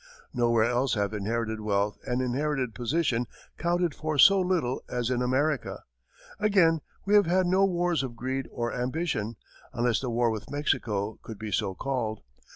Nowhere else have inherited wealth and inherited position counted for so little as in America. Again, we have had no wars of greed or ambition, unless the war with Mexico could be so called.